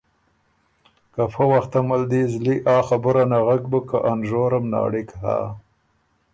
که فۀ وخته مل دی زلی آ خبُره نغک بُک که ا نژورم ناړِک هۀ۔